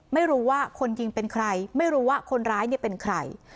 ไม่รู้ว่าคนยิงเป็นใครไม่รู้ว่าคนร้ายเนี่ยเป็นใคร